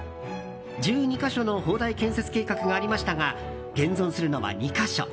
１２か所の砲台建設計画がありましたが現存するのは２か所。